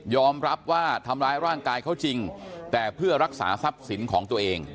รับว่าทำร้ายร่างกายเขาจริงแต่เพื่อรักษาทรัพย์สินของตัวเอง